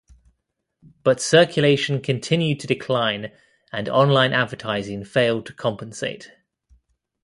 But circulation continued to decline and online advertising failed to compensate.